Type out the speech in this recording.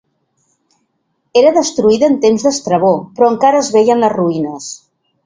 Era destruïda en temps d'Estrabó però encara es veien les ruïnes.